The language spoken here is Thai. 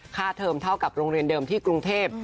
เทอมเท่ากับโรงเรียนเดิมที่กรุงเทพ